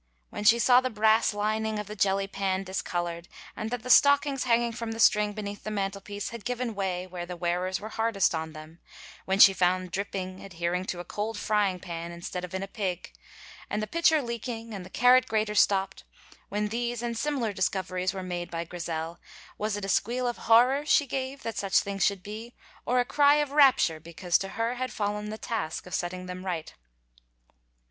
When she saw the brass lining of the jelly pan discolored, and that the stockings hanging from the string beneath the mantelpiece had given way where the wearers were hardest on them; when she found dripping adhering to a cold frying pan instead of in a "pig," and the pitcher leaking and the carrot grater stopped when these and similar discoveries were made by Grizel, was it a squeal of horror she gave that such things should be, or a cry of rapture because to her had fallen the task of setting them right?